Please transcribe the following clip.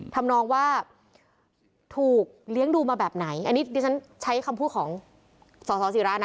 ทำนองว่าถูกเลี้ยงดูมาแบบไหนอันนี้ดิฉันใช้คำพูดของสสิระนะ